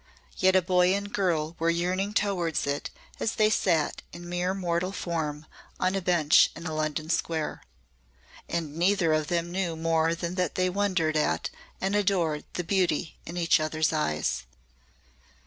Yet a boy and girl were yearning towards it as they sat in mere mortal form on a bench in a London square. And neither of them knew more than that they wondered at and adored the beauty in each other's eyes.